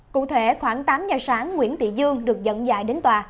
cụ thể khoảng tám giờ sáng nguyễn thị dương được dẫn dài đến tòa